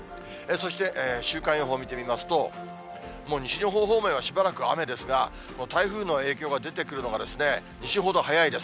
そして、週間予報を見てみますと、西日本方面はしばらく雨ですが、台風の影響が出てくるのが西ほど早いです。